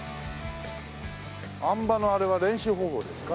あん馬のあれは練習方法ですか？